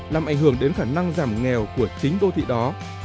làm ảnh hưởng đến khả năng giảm nghèo của chính đô thị đó